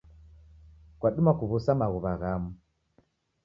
Kwadima kuw'usa maghuwa ghamu